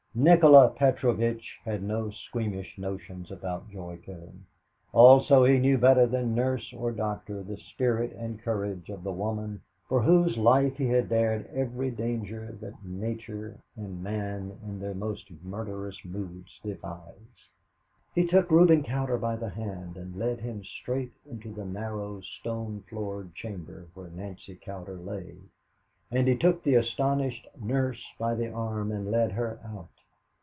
Nikola Petrovitch had no squeamish notions about joy killing; also he knew better than nurse or doctor the spirit and the courage of the woman for whose life he had dared every danger that nature and man in their most murderous moods devise. He took Reuben Cowder by the hand and led him straight into the narrow stone floored chamber where Nancy Cowder lay, and he took the astonished nurse by the arm and led her out.